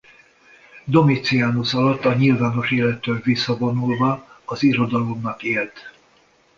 Domitianus alatt a nyilvános élettől visszavonulva az irodalomnak élt.